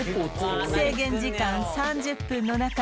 制限時間３０分の中